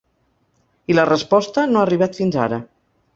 I la resposta no ha arribat fins ara.